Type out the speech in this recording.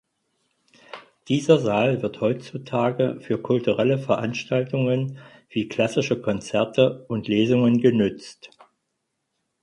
Dieser Saal wird heutzutage für kulturelle Veranstaltungen wie klassische Konzerte und Lesungen genützt.